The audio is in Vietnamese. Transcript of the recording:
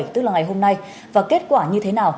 tức là ngày hôm nay và kết quả như thế nào